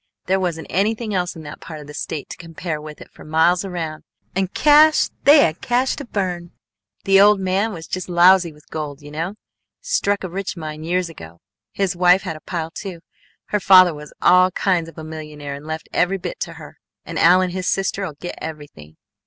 There wasn't anything else in that part of the State to compare with it for miles around. And cahs! They had cahs to burn! The old man was just lousy with gold, you know; struck a rich mine years ago. His wife had a pile, too. Her father was all kinds of a millionaire and left every bit to her; and Al and his sister'll get everything.